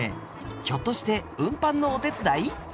ひょっとして運搬のお手伝い？